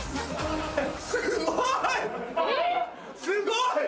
すごい！